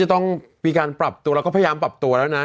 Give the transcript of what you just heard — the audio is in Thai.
ต้องมีการปรับตัวแล้วก็พยายามปรับตัวแล้วนะ